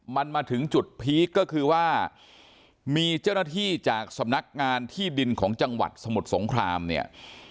มันมาถึงจุดพีคก็คือว่ามีเจ้าหน้าที่จากสำนักงานที่ดินของจังหวัดสมุทรสงครามเนี่ย